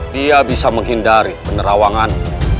dia bisa menghindari penerawangan